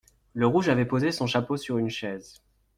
Lerouge avait posé son chapeau sur une chaise.